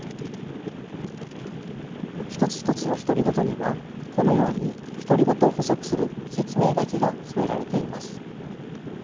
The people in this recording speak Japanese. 一つ一つの独り言にはこのように独り言を補足する説明書きが添えられています。